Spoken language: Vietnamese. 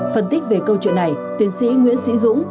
phân tích về câu chuyện này tiến sĩ nguyễn sĩ dũng